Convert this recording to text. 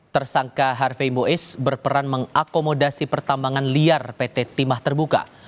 tersangka harveymboiz berperan mengakomodasi pertambangan liar pt timah terbuka